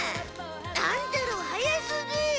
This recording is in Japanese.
乱太郎速すぎ。